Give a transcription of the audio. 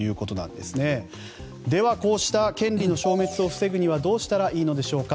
では、こうした権利の消滅を防ぐにはどうしたらいいのでしょうか。